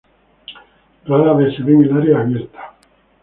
Rara vez se ve en áreas abiertas.